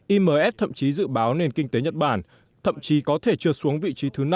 imf thậm chí dự báo nền kinh tế nhật bản thậm chí có thể trượt xuống vị trí thứ năm